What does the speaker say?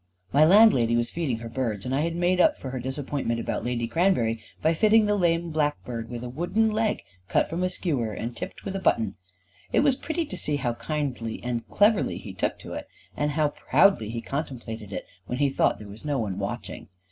My landlady was feeding her birds, and I had made up for her disappointment about Lady Cranberry, by fitting the lame blackbird with a wooden leg, cut from a skewer, and tipped with a button: it was pretty to see how kindly and cleverly he took to it, and how proudly he contemplated it, when he thought there was no one watching.